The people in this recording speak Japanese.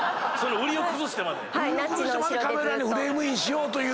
売りを崩してまでカメラにフレームインしようという。